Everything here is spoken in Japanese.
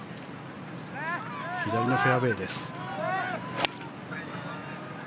左のフェアウェーです。